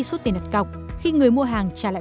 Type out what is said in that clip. số tiền đặt cọc khi người mua hàng trả lại